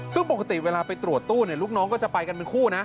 ซึ่งปกติเวลาไปตรวจตู้ลูกน้องก็จะไปกันเป็นคู่นะ